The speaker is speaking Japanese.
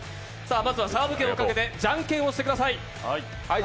まずはサーブ権をかけてじゃんけんをしてください。